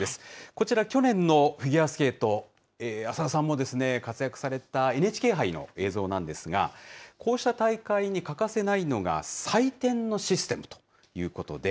こちら、去年のフィギュアスケート、浅田さんも活躍されたＮＨＫ杯の映像なんですが、こうした大会に欠かせないのが採点のシステムということで。